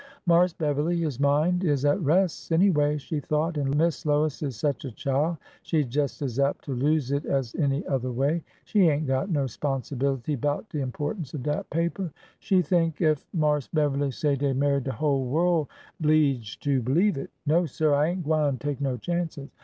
Marse Beverly his mind is at res', anyway," she thought ; an' Miss Lois is sech a chile she jes' as apt to lose it as any other way. She ain' got no 'sponsibility 'bout de importance of dat paper ! She think ef Marse Beverly say dey married de whole world 'bleeged to believe it 1 No, sir ! I ain' gwine take no chances.